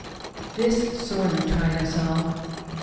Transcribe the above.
" This sorely tried us all.